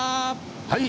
はい。